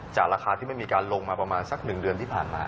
ราคาที่ไม่มีการลงมาประมาณสัก๑เดือนที่ผ่านมา